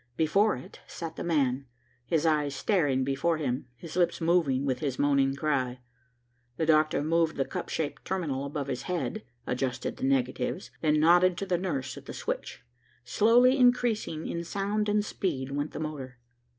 Before it sat the man, his eyes staring before him, his lips moving with his moaning cry. The doctor moved the cup shaped terminal above his head, adjusted the negatives, then nodded to the nurse at the switch. Slowly increasing in sound and speed went the motor.